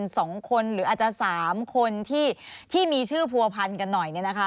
สองคนหรืออาจจะสามคนที่ที่มีชื่อผัวพันกันหน่อยเนี่ยนะคะ